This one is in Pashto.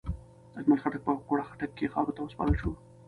اجمل خټک په اکوړه خټک کې خاورو ته وسپارل شو.